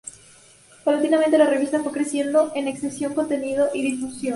Paulatinamente la revista fue creciendo en extensión, contenidos y difusión.